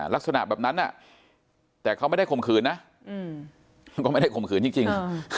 ลักษณะแบบนั้นแต่เขาไม่ได้ข่มขืนนะเขาก็ไม่ได้ข่มขืนจริง